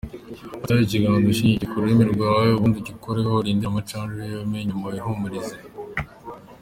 Fata ikiganza ugishyire ku rurimi rwawe ubundi ugikureho urindire amacandwe yume, nyuma wihumurize.